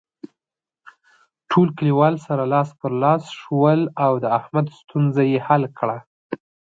ټول کلیوال سره لاس په لاس شول او د احمد ستونزه یې حل کړله.